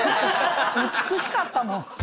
美しかったもん。